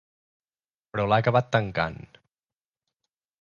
Però l’ha acabat tancant.